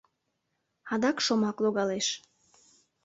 Адак шомак логалеш.